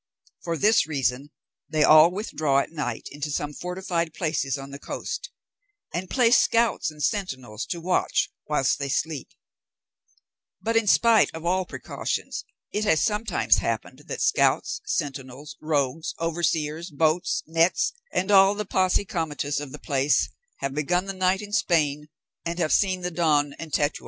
For this reason, they all withdraw at night into some fortified places on the coast, and place scouts and sentinels to watch whilst they sleep; but in spite of all precautions, it has sometimes happened that scouts, sentinels, rogues, overseers, boats, nets, and all the posse comitatus of the place have begun the night in Spain and have seen the dawn in Tetuan.